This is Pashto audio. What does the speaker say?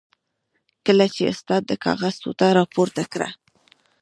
کله چې استاد د کاغذ ټوټه را پورته کړه.